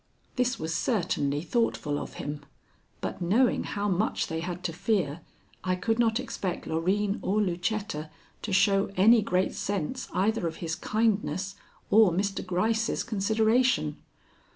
This was certainly thoughtful of him, but knowing how much they had to fear, I could not expect Loreen or Lucetta to show any great sense either of his kindness or Mr. Gryce's consideration.